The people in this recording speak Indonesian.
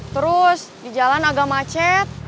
terus di jalan agak macet